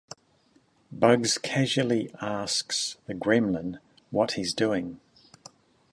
Bugs casually asks the gremlin what he's doing.